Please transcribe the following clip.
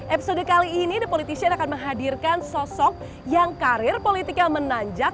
episode kali ini the politician akan menghadirkan sosok yang karir politiknya menanjak